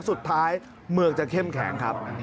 สุดท้ายเมืองจะเข้มแข็งครับ